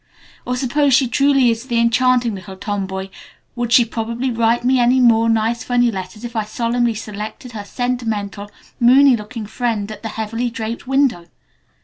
Or suppose she truly is the enchanting little tom boy, would she probably write me any more nice funny letters if I solemnly selected her sentimental, moony looking friend at the heavily draped window?"